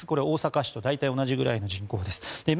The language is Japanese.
大阪市と大体同じぐらいの人口です。